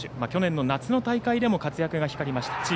去年の夏の大会でも活躍が光ました。